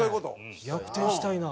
逆転したいな。